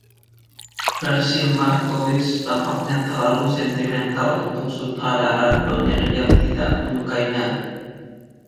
Versi Markowitz tampaknya terlalu sentimental untuk sutradara Donner, yang tidak menyukainya.